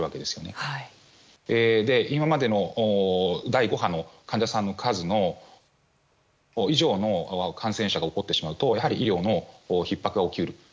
そして、今までの第５波の患者さんの数以上の感染者が起こってしまうと、やはり医療のひっ迫が起きる。